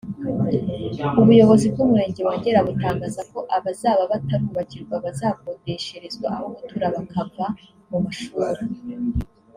ubuyobozi bw’Umurenge wa Ngera butangaza ko abazaba batarubakirwa bazakodesherezwa aho gutura bakava mu mashuri